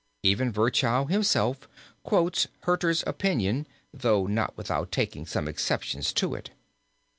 Even Virchow himself quotes Hurter's opinion, though not without taking some exceptions to it.